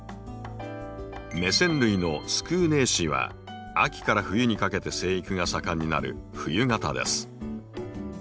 メセン類のスクーネーシーは秋から冬にかけて生育が盛んになる「冬型」です。